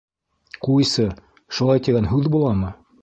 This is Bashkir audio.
— Ҡуйсы, шулай тигән һүҙ буламы?